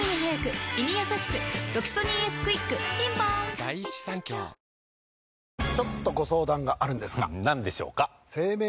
「ロキソニンＳクイック」ピンポーンクラフトビール